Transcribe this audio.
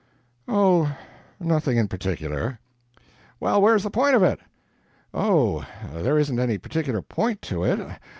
"Oh, nothing in particular." "Well, where's the point of it?" "Oh, there isn't any particular point to it.